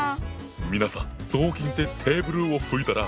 皆さん雑巾でテーブルを拭いたらダメだねえ。